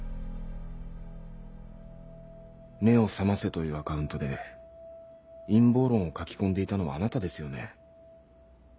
「めをさませ」というアカウントで陰謀論を書き込んでいたのはあなたですよね？